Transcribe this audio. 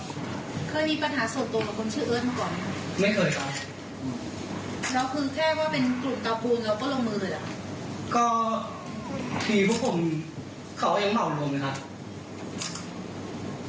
แต่วันนั้นเขาบอกมาก